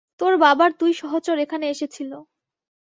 তোর বাবার দুই সহচর এখানে এসেছিল।